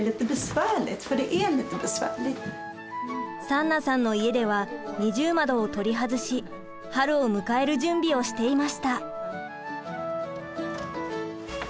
サンナさんの家では二重窓を取り外し春を迎える準備をしていました。